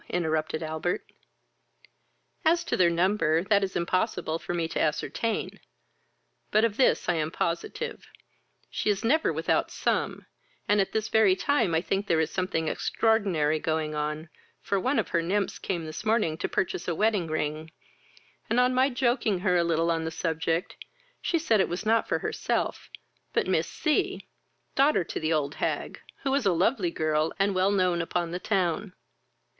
interrupted Albert. "As to their number, that is impossible for me to ascertain; but of this I am positive, she is never without some, and at this very time I think there is something extraordinary going on, for one of her nymphs came this morning to purchase a wedding ring, and, on my joking her a little on the subject, she said it was not for herself but Miss C , daughter to the old hag, who is a very lovely girl, and well known upon the town.